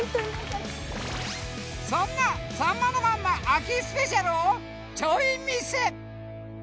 ［そんな『さんまのまんま秋ＳＰ』をちょい見せ！］